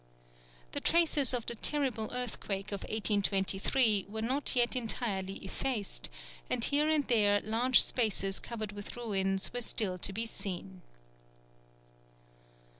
The traces of the terrible earthquake of 1823 were not yet entirely effaced, and here and there large spaces covered with ruins were still to be seen.